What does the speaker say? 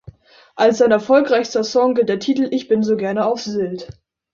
Als sein erfolgreichster Song gilt der Titel "Ich bin so gerne auf Sylt".